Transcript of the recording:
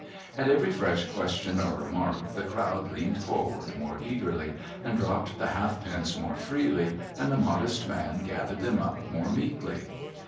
At every fresh question or remark the crowd leaned forward more eagerly, and dropped the halfpence more freely, and the modest man gathered them up more meekly.